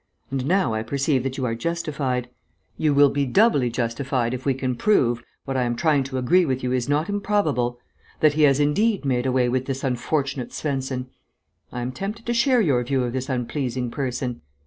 And now I perceive that you are justified. You will be doubly justified if we can prove, what I am trying to agree with you is not improbable, that he has indeed made away with this unfortunate Svensen. I am tempted to share your view of this unpleasing person.